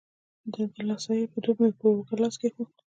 د دلاسایي په دود مې پر اوږه یې لاس کېښود.